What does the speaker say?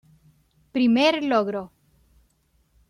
Primer logro.